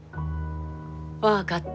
分かった。